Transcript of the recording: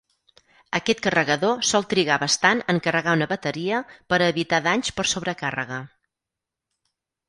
Aquest carregador sol trigar bastant en carregar una bateria per a evitar danys per sobrecàrrega.